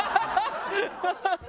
ハハハハ！